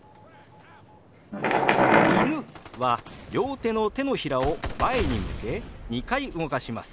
「犬」は両手の手のひらを前に向け２回動かします。